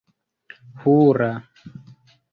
hura